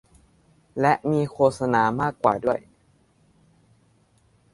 และมีโฆษณามากกว่าด้วย